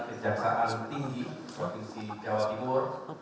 kejaksaan tinggi provinsi jawa timur